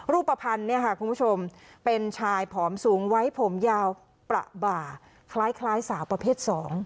รูปภัณฑ์เนี่ยค่ะคุณผู้ชมเป็นชายผอมสูงไว้ผมยาวประบ่าคล้ายสาวประเภท๒